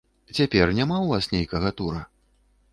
Цяпер няма ў вас нейкага тура?